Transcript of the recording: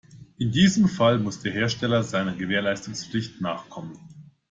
In diesem Fall muss der Hersteller seiner Gewährleistungspflicht nachkommen.